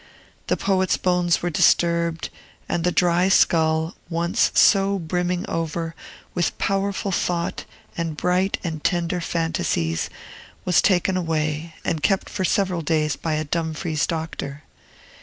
The poet's bones were disturbed, and the dry skull, once so brimming over with powerful thought and bright and tender fantasies, was taken away, and kept for several days by a Dumfries doctor.